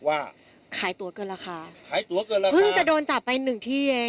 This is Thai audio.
ว่าขายตัวเกินราคาขายตัวเกินราคาเพิ่งจะโดนจับไปหนึ่งที่เอง